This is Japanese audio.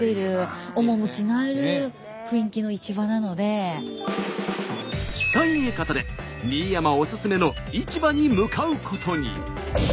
えっと。ということで新山おすすめの市場に向かうことに。